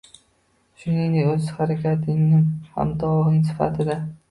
shuningdek, “o‘zharakatning” hamtovog‘i sifatida